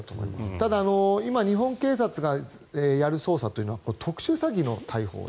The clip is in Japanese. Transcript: ただ、今、日本警察がやる捜査というのは特殊詐欺の逮捕。